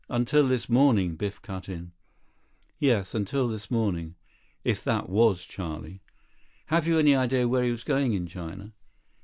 "Until this morning," Biff cut in. "Yes. Until this morning. If that was Charlie." "Have you any idea where he was going in China?"